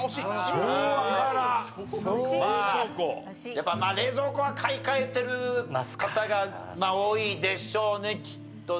やっぱ冷蔵庫は買い替えてる方が多いでしょうねきっとね。